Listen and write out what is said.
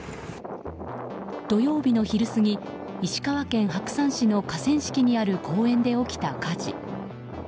土曜日の昼すぎ、石川県白山市の河川敷にある公園で起きた火事。